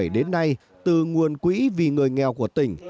đến nay từ nguồn quỹ vì người nghèo của tỉnh